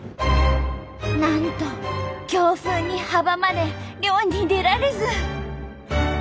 なんと強風に阻まれ漁に出られず！